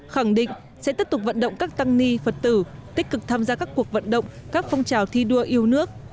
khẳng định sẽ tiếp tục vận động các tăng ni phật tử tích cực tham gia các cuộc vận động các phong trào thi đua yêu nước